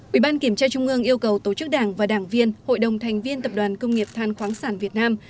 một ubkt yêu cầu tổ chức đảng và đảng viên hội đồng thành viên tập đoàn công nghiệp than khoáng sản việt nam